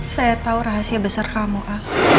saya tahu rahasia besar kamu kak